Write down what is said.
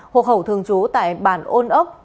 hồ khẩu thường trú tại bản ôn ốc